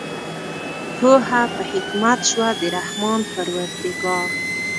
پوهه په حکمت شوه د رحمان پروردګار